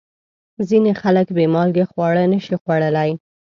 ځینې خلک بې مالګې خواړه نشي خوړلی.